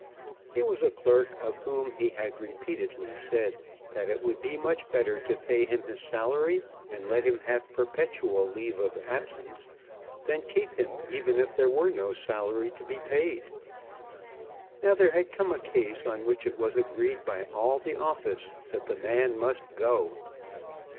He was a clerk of whom he had repeatedly said that it would be much better to pay him his salary and let him have perpetual leave of absence, than keep him even if there were no salary to be paid. Now there had come a case on which it was agreed by all the office that the man must go.